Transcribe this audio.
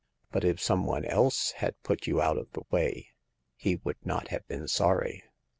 But if some one else had put you out of the way, he would not have been sorry."